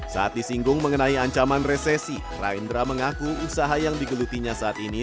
saat disinggung mengenai ancaman resesi raindra mengaku usaha yang digelutinya saat ini